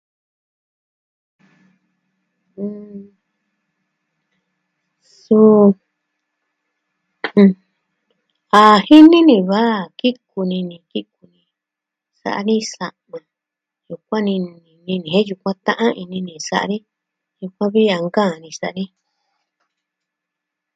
ɨɨm... Su, a jini ni vi a kiku ni ni kiku ni. Sa'a ni sa'ma. Yukuan ni nini ni... jen yukuan ni ta'an ini ni sa'a ni. Yukuan vi a nkaan ni sa'a ni.